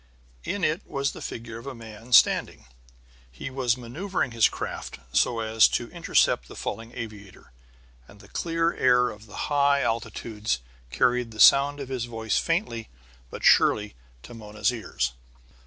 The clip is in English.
In it was the figure of a man standing; he was maneuvering his craft so as to intercept the falling aviator. And the clear air of the high altitudes carried the sound of his voice faintly but surely to Mona's ears.